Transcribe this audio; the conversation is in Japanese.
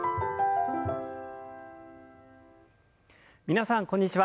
皆さんこんにちは。